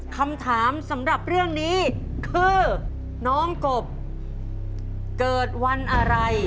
คำถามสำหรับเรื่องนี้คือน้องกบเกิดวันอะไร